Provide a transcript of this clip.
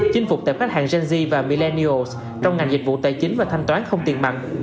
chinh phục tệp khách hàng gen z và millennials trong ngành dịch vụ tài chính và thanh toán không tiền mặn